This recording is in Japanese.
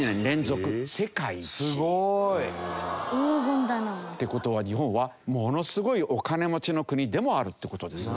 これ黄金だな。って事は日本はものすごいお金持ちの国でもあるって事ですね。